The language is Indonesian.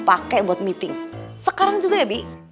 pakai buat meeting sekarang juga ya bi